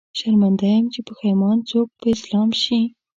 شرمنده يم، چې پښېمان څوک په اسلام شي